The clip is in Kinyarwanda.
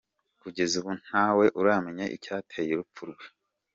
Kugeza ubu ntawe uramenya icyateye urupfu rwe.